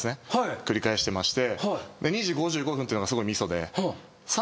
繰り返してまして２時５５分っていうのがすごいミソで。